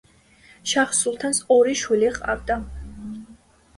შაჰ სულთანს ორი შვილი ჰყავდა.